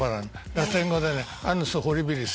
ラテン語でねアナス・ホリビリス。